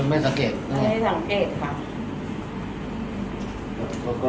ไม่สังเกตครับ